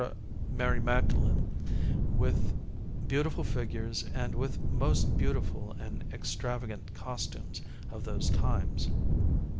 Mary Magdalene, with beautiful figures and with most beautiful and extravagant costumes of those times.